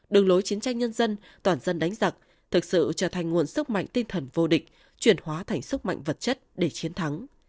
đường lối chiến tranh nhân dân toàn dân đánh giặc thực sự trở thành nguồn sức mạnh tinh thần vô địch chuyển hóa thành sức mạnh vật chất để chiến thắng